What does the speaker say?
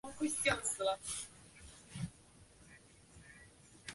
一直觉得文笔不错